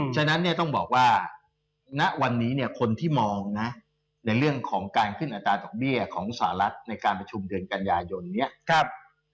ฉะนั้นเนี่ยต้องบอกว่าณวันนี้เนี่ยคนที่มองนะในเรื่องของการขึ้นอัตราดอกเบี้ยของสหรัฐในการประชุมเดือนกันยายนเนี่ย